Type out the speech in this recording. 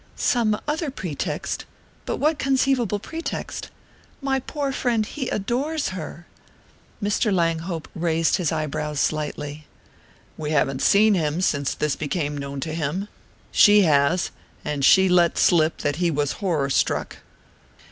"Some other pretext? But what conceivable pretext? My poor friend, he adores her!" Mr. Langhope raised his eyebrows slightly. "We haven't seen him since this became known to him. She has; and she let slip that he was horror struck."